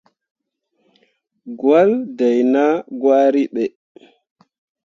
Gwahlle dai nah gwari ɓe.